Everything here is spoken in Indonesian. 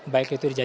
baik itu di jajan